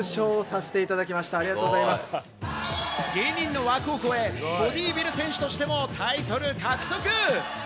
芸人の枠を超え、ボディビル選手としてもタイトル獲得。